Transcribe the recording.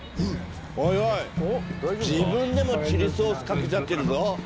おいおい自分でもチリソースかけちゃってるぞ。